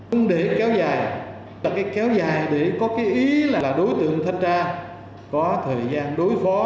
không để kéo dài là cái kéo dài để có cái ý là đối tượng thanh tra có thời gian đối phó